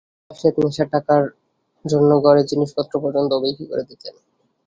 আবদুল বাসেত নেশার টাকার জন্য ঘরের জিনিসপত্র পর্যন্তও বিক্রি করে দিতেন।